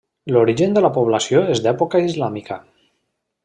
L'origen de la població és d'època islàmica.